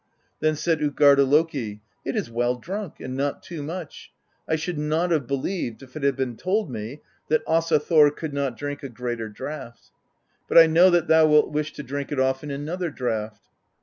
Then said Utgarda Loki : 'It is well drunk, and not too much; I should not have believed, if it had been told me, that Asa Thor could not drink a greater draught. But I know that thou wilt wish to drink it ofFin another draught.'